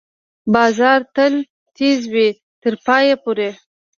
باز تل تېز وي، تر پایه پورې